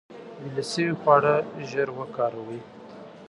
ویلې شوي خواړه ژر وکاروئ.